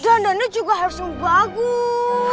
dan danda juga harus yang bagus